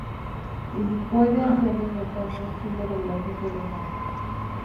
Y puede hacerlo inventando un símbolo del objeto deseado.